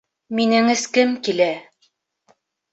Минең эскем килә